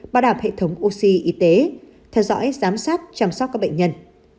bảo đảm hệ thống oxy y tế theo dõi giám sát chăm sóc các bệnh nhân